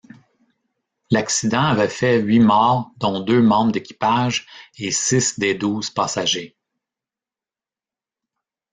L'accident avait fait huit morts dont deux membres d'équipage et six des douze passagers.